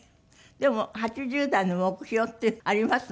でも８０代の目標ってあります？